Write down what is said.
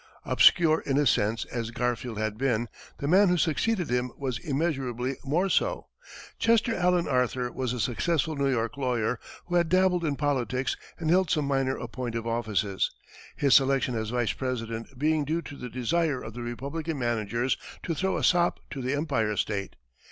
Obscure, in a sense, as Garfield had been, the man who succeeded him was immeasurably more so. Chester Alan Arthur was a successful New York lawyer, who had dabbled in politics and held some minor appointive offices, his selection as Vice President being due to the desire of the Republican managers to throw a sop to the Empire State.